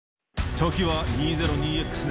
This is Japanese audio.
時は２０２Ｘ年。